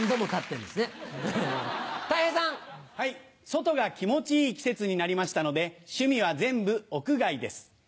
外が気持ちいい季節になりましたので趣味は全部屋外です。